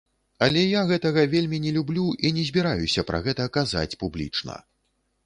Але я гэтага вельмі не люблю і не збіраюся пра гэта казаць публічна.